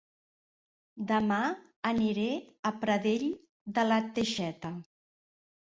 Dema aniré a Pradell de la Teixeta